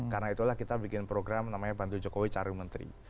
karena itulah kita bikin program namanya bantu jokowi cari menteri